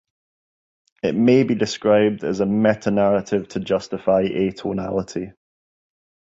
It may be described as a metanarrative to justify atonality.